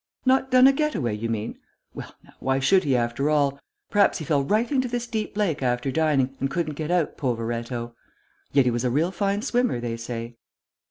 "Not done a get away, you mean? Well now, why should he, after all? Perhaps he fell right into this deep lake after dining, and couldn't get out, poveretto. Yet he was a real fine swimmer they say."